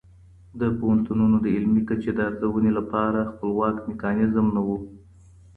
د پوهنتونونو د علمي کچې د ارزونې لپاره خپلواک میکانیزم نه و.